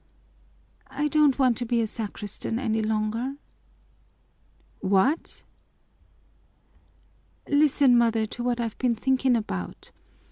"I don't want to be a sacristan any longer." "What?" "Listen, mother, to what I've been thinking about.